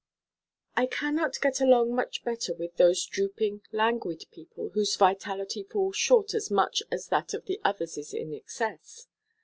I cannot get along much better with those drooping, languid people, whose vitality falls short as much as that of the others is in excess.